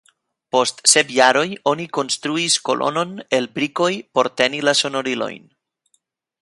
Post sep jaroj oni konstruis kolonon el brikoj por teni la sonorilojn.